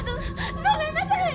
ごめんなさい！